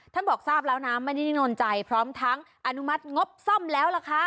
บอกทราบแล้วนะไม่ได้นิ่งนอนใจพร้อมทั้งอนุมัติงบซ่อมแล้วล่ะคะ